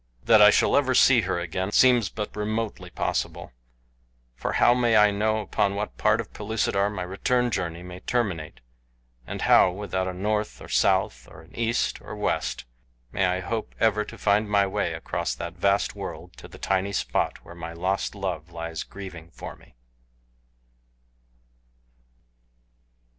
That I ever shall see her again seems but remotely possible, for how may I know upon what part of Pellucidar my return journey may terminate and how, without a north or south or an east or a west may I hope ever to find my way across that vast world to the tiny spot where my lost love lies grieving for me?